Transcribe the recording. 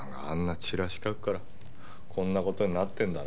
チラシ書くからこんな事になってるんだろ。